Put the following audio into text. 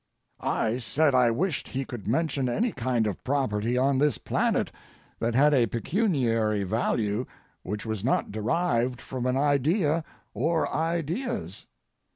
I said I wished he could mention any kind of property on this planet that had a pecuniary value which was not derived from an idea or ideas.